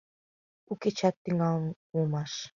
У кечат тӱҥалын улмаш.